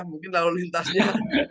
mungkin lalu lintasnya